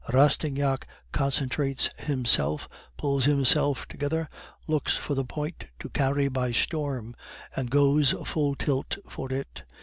Rastignac concentrates himself, pulls himself together, looks for the point to carry by storm, and goes full tilt for it.